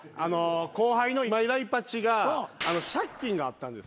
後輩の今井らいぱちが借金があったんですよ。